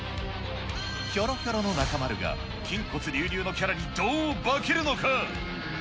ひょろひょろの中丸が、筋骨隆々のキャラにどう化けるのか。